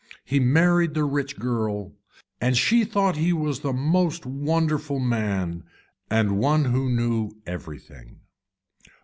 He married the rich girl and she thought he was the most wonderful man and one who knew everything.